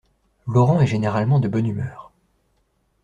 Laurent est généralement de bonne humeur.